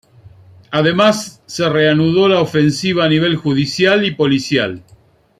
Además se reanudó la ofensiva a nivel judicial y policial.